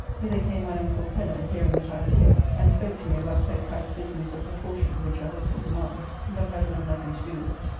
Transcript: Hither came my uncle Fenner, hearing that I was here, and spoke to me about Pegg Kite's business of her portion, which her husband demands, but I will have nothing to do with it.